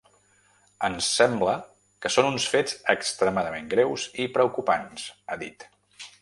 Ens sembla que són uns fets extremadament greus i preocupants, ha dit.